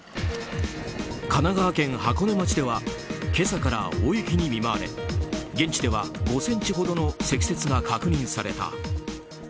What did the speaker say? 神奈川県箱根町では今朝から大雪に見舞われ現地では５ｃｍほどの積雪が確認された。